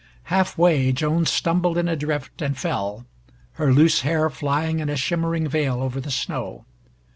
Half way Joan stumbled in a drift and fell, her loose hair flying in a shimmering veil over the snow.